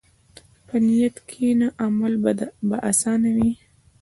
په نیت کښېنه، عمل به اسانه وي.